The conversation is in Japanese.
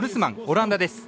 オランダです。